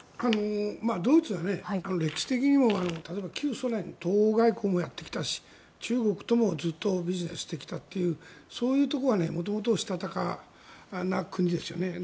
ドイツは歴史的にも例えば旧ソ連東欧外交もやってきたし中国ともずっとビジネスをしてきたというそういうところは元々したたかな国ですよね。